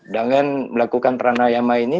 dengan melakukan pranayama ini